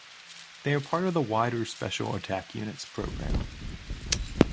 They were part of the wider Special Attack Units program.